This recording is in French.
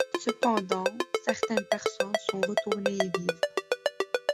Cependant, certaines personnes sont retournées y vivre.